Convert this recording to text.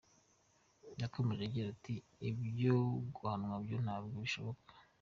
Yakomeje agira ati “ Ibyo guhanwa byo ntabwo bishoboka.